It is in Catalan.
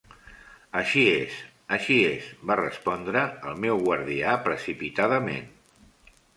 "Així és, així és", va respondre el meu guardià precipitadament.